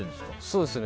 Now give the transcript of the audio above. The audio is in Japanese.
そうですね。